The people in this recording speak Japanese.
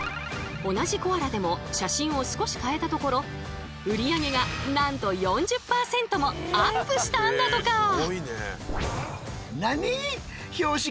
同じコアラでも写真を少し変えたところ売り上げがなんと４０％もアップしたんだとか！